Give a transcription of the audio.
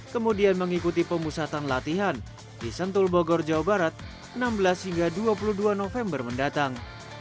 kemudian mengikuti pemusatan latihan di sentul bogor jawa barat enam belas hingga dua puluh dua november mendatang